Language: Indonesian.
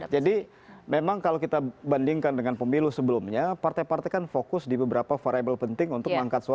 memang kalau kita bandingkan dengan pemilu sebelumnya partai partai kan fokus di beberapa variable penting untuk mengangkat suara